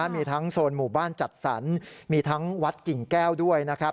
มีทั้งโซนหมู่บ้านจัดสรรมีทั้งวัดกิ่งแก้วด้วยนะครับ